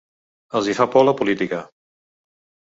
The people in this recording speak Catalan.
Els hi fa por la política.